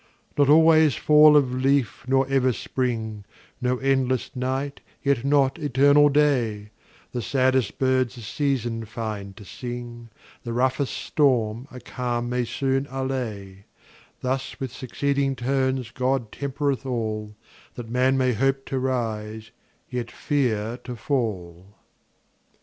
Not always fall of leaf nor ever spring, No endless night yet not eternal day; The saddest birds a season find to sing, 15 The roughest storm a calm may soon allay: Thus with succeeding turns God tempereth all, That man may hope to rise, yet fear to fall.